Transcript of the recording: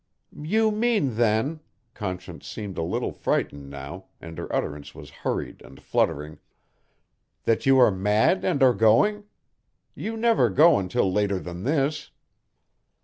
"You mean, then," Conscience seemed a little frightened now and her utterance was hurried and fluttering, "that you are mad and are going? You never go until later than this."